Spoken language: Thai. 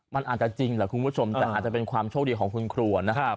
มันอาจจะจริงแหละคุณผู้ชมแต่อาจจะเป็นความโชคดีของคุณครัวนะครับ